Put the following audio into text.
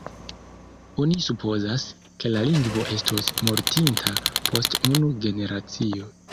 Oni supozas, ke la lingvo estos mortinta post unu generacio.